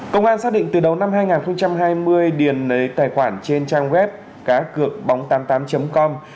công an xác định từ đầu năm hai nghìn hai mươi điền lấy tài khoản trên trang web cácượcbóng tám mươi tám com